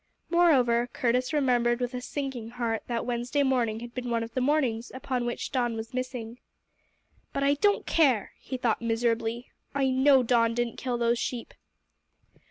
Moreover, Curtis remembered with a sinking heart that Wednesday morning had been one of the mornings upon which Don was missing. "But I don't care!" he thought miserably. "I know Don didn't kill those sheep."